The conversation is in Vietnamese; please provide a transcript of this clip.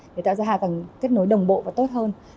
để tạo ra hạ tầng kết nối đồng bộ và tốt hơn